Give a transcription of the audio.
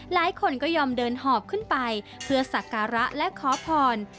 หลายคนก็ยอมเดินหอบขึ้นไปเพื่อสักการะและขอพร